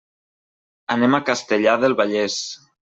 Anem a Castellar del Vallès.